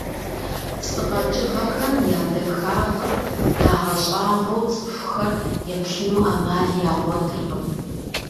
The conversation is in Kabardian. Псы къэкӀыгъэхэм я дахагъыр ягъэщӀагъуэу цӀыхухэр еплъыну Ӏэмал ягъуэтыркъым.